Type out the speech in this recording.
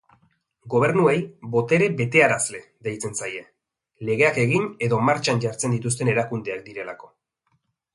Gobernuei «botere betearazle» deitzen zaie, legeak egin edo martxan jartzen dituzten erakundeak direlako.